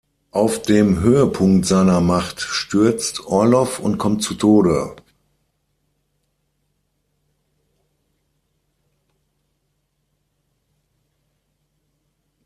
Auf dem Höhepunkt seiner Macht stürzt Orloff und kommt zu Tode.